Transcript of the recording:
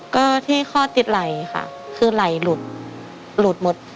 ก็ที่ข้อติดไหล่ค่ะคือไหล่หลุดหลุดหมด